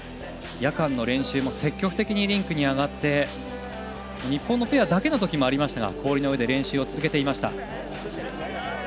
夜間の練習も積極的にリンクに上がって日本のペアだけのときもありましたが氷の上で練習を続けてきました。